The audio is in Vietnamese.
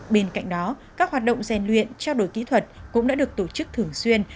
bên cạnh đó các hoạt động gian luyện trao đổi kỹ thuật cũng đã được tổ chức thường xuyên